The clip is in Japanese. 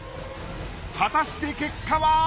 果たして結果は！？